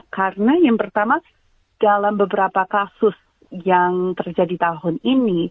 karena yang pertama dalam beberapa kasus yang terjadi tahun ini